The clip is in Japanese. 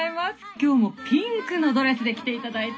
今日もピンクのドレスで来て頂いて。